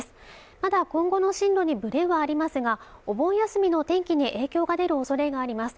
まだ今後の進路にぶれはありますがお盆休みの天気に影響が出るおそれがあります